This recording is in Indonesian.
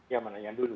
yang mana yang dulu